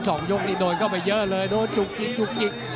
สองยกนี่โดนเข้าไปเยอะเลยโดนจุกจิกจุกจิก